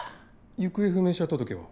行方不明者届は？